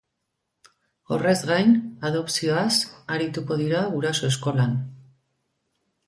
Horrez gain, adopzioaz arituko dira guraso eskolan.